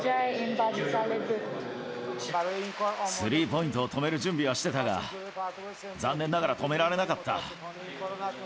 スリーポイントを止める準備はしていたが、残念ながら止められなかった。